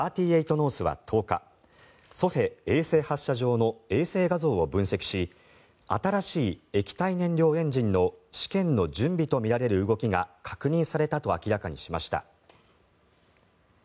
ノースは１０日西海衛星発射場の衛星画像を分析し新しい液体燃料エンジンの試験の準備とみられる動きが確認されたと明らかにしました。